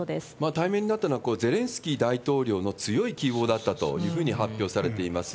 対面になったのは、ゼレンスキー大統領の強い希望だったというふうに発表されています。